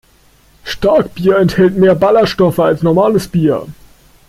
Starkbier enthält mehr Ballerstoffe als normales Bier.